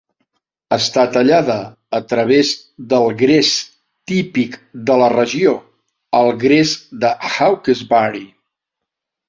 Està tallada a través del gres típic de la regió, el gres de Hawkesbury.